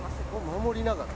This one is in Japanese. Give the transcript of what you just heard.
守りながら？